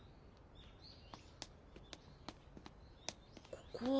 ここは？